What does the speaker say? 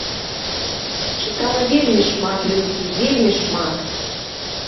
Чытала вельмі шмат людзей, вельмі шмат!